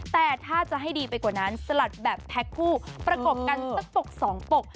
แต่ถ้าจะให้ดีไปกว่านั้นสลัดแบบแท็กคู่ประกบกันสักปกสองปก